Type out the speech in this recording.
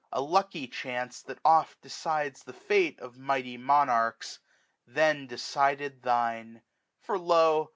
A lucky chance, that oft decides the fate 1285 Of mighty monarchs, then decided thine. For lo